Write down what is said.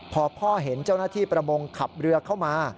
พอพ่อเห็นเจ้าหน้าที่ประมงขับเรือเข้ามา